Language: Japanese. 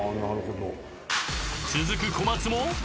［続く小松も］